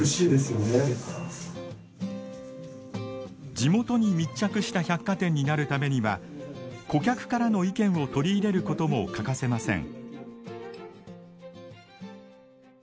地元に密着した百貨店になるためには顧客からの意見を取り入れることも欠かせません。